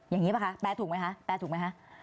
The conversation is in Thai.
อย่างนี้ป่ะคะแปลถูกไหมคะ